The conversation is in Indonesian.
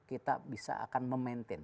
kita bisa akan memaintain